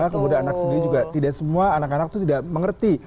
kemudian anak sendiri juga tidak semua anak anak itu tidak mengerti